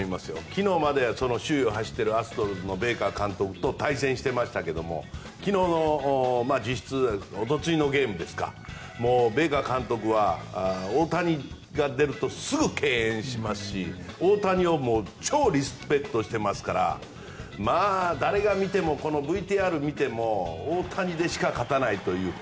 昨日までは首位を走っているアストロズのベイカー監督と対戦していましたが、昨日実質おとといのゲームですかベイカー監督は大谷が出るとすぐに敬遠しますし大谷を超リスペクトしていますから誰が見てもこのＶＴＲ見ても大谷でしか勝たないという。